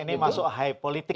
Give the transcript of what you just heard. ini masuk high politik